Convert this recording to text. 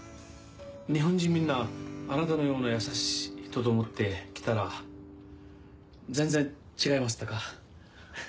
日本人みんなあなたのような優しい人と思って来たら全然違いましたか。